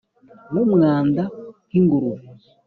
nkumwanda nk'ingurube